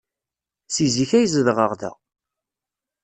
Seg zik ay zedɣeɣ da.